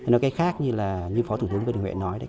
nói cái khác như là như phó thủ tướng vân nguyễn nói